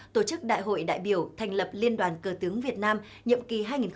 tổ chức đại hội đại biểu thành lập liên đoàn cờ tướng việt nam nhiệm kỳ hai nghìn một mươi chín hai nghìn hai mươi bốn